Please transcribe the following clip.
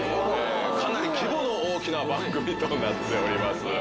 かなり規模の大きな番組となっております。